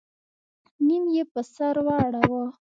نيم يې په سر واړوه.